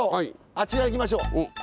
あちら行きましょう。